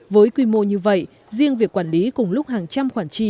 với quy mô như vậy riêng việc quản lý cùng lúc hàng trăm khoản chi